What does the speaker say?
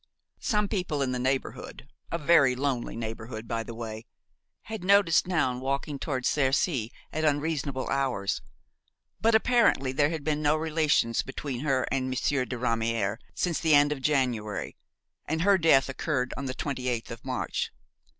Some people in the neighborhood–a very lonely neighborhood, by the way–had noticed Noun walking toward Crecy at unreasonable hours; but apparently there had been no relations between her and Monsieur de Ramière since the end of January, and her death occurred on the 28th of March.